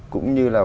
cũng như là